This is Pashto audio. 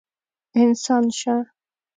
انسان شه!